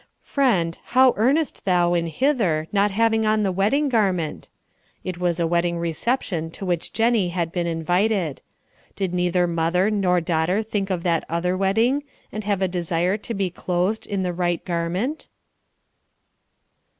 "Friend, how earnest thou in hither, not having on the wedding garment?" It was a wedding reception to which Jennie had been invited. Did neither mother nor daughter think of that other wedding, and have a desire to be clothed in the right garment?